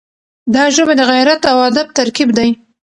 دا ژبه د غیرت او ادب ترکیب دی.